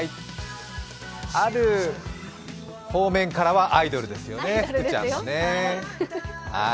ある方面からはアイドルですよね、福ちゃんね。